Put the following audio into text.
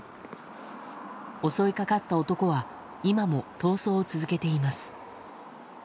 襲いかかった男は今も逃走を続けています。